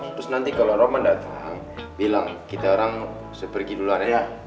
terus nanti kalo roman datang bilang kita orang pergi dulu aja ya